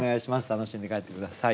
楽しんで帰って下さい。